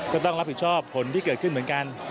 ก็ต้องรับผิดชอบผลที่เกิดขึ้นเหมือนกัน